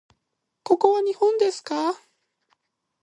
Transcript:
ここは日本ですか？